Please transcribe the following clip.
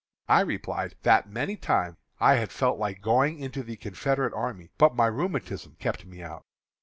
I replied that many times I had felt like going into the Confederate army, but my rheumatism kept me out.